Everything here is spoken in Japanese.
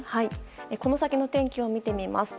この先の天気を見てみます。